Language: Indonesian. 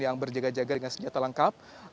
yang berjaga jaga dengan senjata lengkap